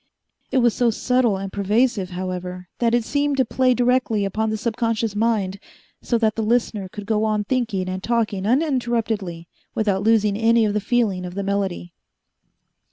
It was so subtle and pervasive, however, that it seemed to play directly upon the subconscious mind, so that the listener could go on thinking and talking uninterruptedly without losing any of the feeling of the melody.